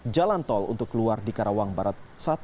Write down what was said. jalan tol untuk keluar di karawang barat satu